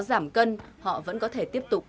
giảm cân họ vẫn có thể tiếp tục